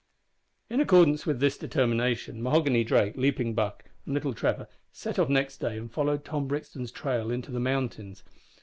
In accordance with this determination, Mahoghany Drake, Leaping Buck, and little Trevor set off next day and followed Tom Brixton's trail into the mountains.